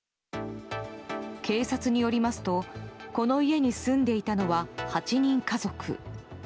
警察によりますと、この家に住んでいたのは８人家族。